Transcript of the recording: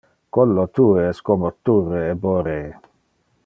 Collo tue es como turre eboree.